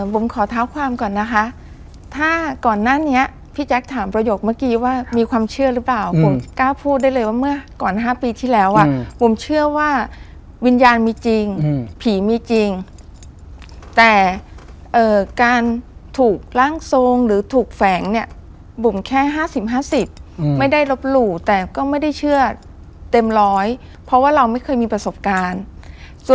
บุ๋มขอเท้าความก่อนนะคะถ้าก่อนหน้านี้พี่แจ๊คถามประโยคเมื่อกี้ว่ามีความเชื่อหรือเปล่าผมกล้าพูดได้เลยว่าเมื่อก่อน๕ปีที่แล้วอ่ะบุ๋มเชื่อว่าวิญญาณมีจริงผีมีจริงแต่การถูกร่างทรงหรือถูกแฝงเนี่ยบุ๋มแค่๕๐๕๐ไม่ได้ลบหลู่แต่ก็ไม่ได้เชื่อเต็มร้อยเพราะว่าเราไม่เคยมีประสบการณ์